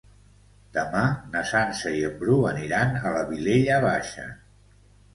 Demà na Sança i en Bru aniran a la Vilella Baixa.